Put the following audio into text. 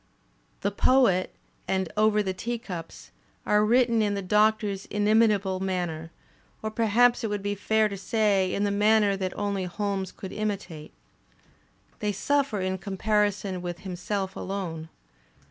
"The Poet" and "Over the Teacups" are written in the Doctor's inimitable manner, or perhaps it would be fair to say in the manner that only Holmes could imitate. They suffer in comparison with himself alone.